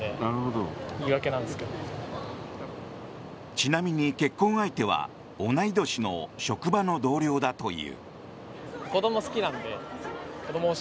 ちなみに結婚相手は同い年の職場の同僚だという。